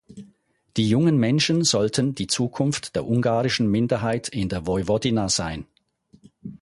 Die jungen Menschen sollten die Zukunft der ungarischen Minderheit in der Vojvodina sein.